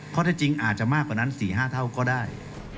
ข้อเท็จจริงอาจจะมากกว่านั้น๔๕เท่าก็ได้